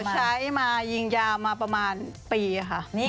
ใช้มายิงยาวมาประมาณปีค่ะ